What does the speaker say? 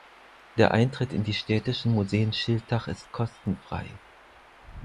Der Eintritt in die Städtischen Museen Schiltach ist kostenfrei.